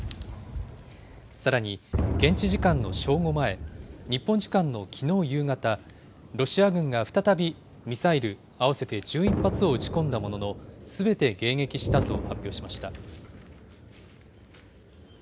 さらに現地時間の正午前、日本時間のきのう夕方、ロシア軍が再びミサイル合わせて１１発を撃ち込んだものの、すべて迎撃したと発表しました。